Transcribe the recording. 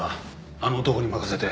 あの男に任せて。